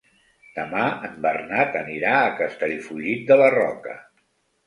Demà en Bernat anirà a Castellfollit de la Roca.